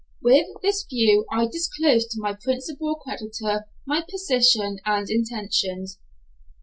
With this view, I disclosed to my principal creditor my position and intentions.